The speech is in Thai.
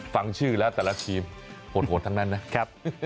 ฟังชื่อแล้วแต่ละทีมโหดทั้งนั้นนะครับ